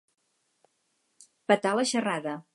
Petar la xerrada.